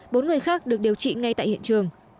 bốn người khác được điều trị ngay tại hiện trường